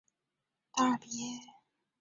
达尔比耶。